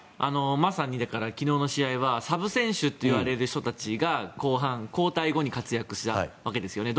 まさに、昨日の試合はサブ選手といわれる人たちが後半、交代後に活躍したわけですよね。